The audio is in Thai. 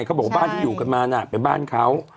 เขาบอกบ้านที่อยู่กันมาน่ะเป็นบ้านเขา